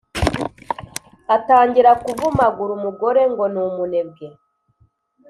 atangira kuvumagura umugore, ngo ni umunebwe.